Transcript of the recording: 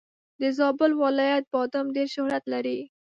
د زابل ولایت بادم ډېر شهرت لري.